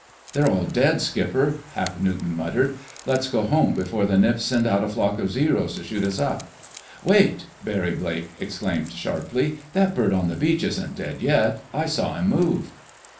"They're all dead, Skipper," Hap Newton muttered. "Let's go home before the Nips send out a flock of Zeros to shoot us up...." "Wait!" Barry Blake exclaimed sharply. "That bird on the beach isn't dead yet. I saw him move."